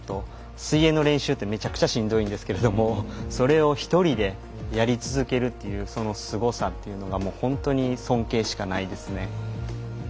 水泳の練習はめちゃくちゃしんどいんですけれどもそれを１人でやり続けるという、そのすごさというのが本当に尊敬しかないですね。